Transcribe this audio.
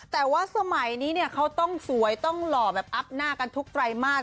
แต่ว่าสมัยนี้เนี่ยเขาต้องสวยต้องหล่อแบบอัพหน้ากันทุกไตรมาส